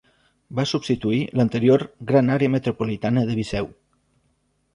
Va substituir l'anterior "Gran Àrea Metropolitana de Viseu".